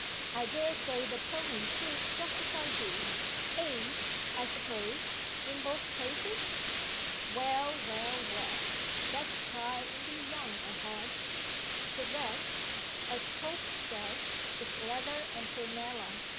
I dare say the pony feels just as I do. Age, I suppose, in both cases? Well! well! well! let's try and be young at heart. 'The rest' (as Pope says) 'is leather and prunella.